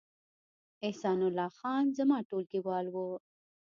احسان الله خان زما ټولګیوال و